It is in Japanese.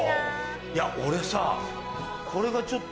いや俺さ。